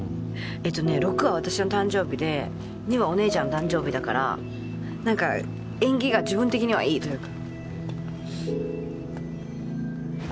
えっとね「６」は私の誕生日で「２」はお姉ちゃんの誕生日だから何か縁起が自分的にはいいというか。